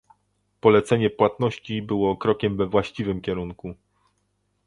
Polecenie płatności było krokiem we właściwym kierunku